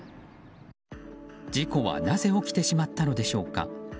事故はなぜ起きてしまったのでしょうか。